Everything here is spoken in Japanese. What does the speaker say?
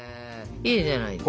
いいじゃないですか。